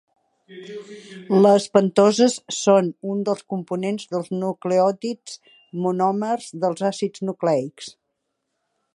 Les pentoses són un dels components dels nucleòtids, monòmers dels àcids nucleics.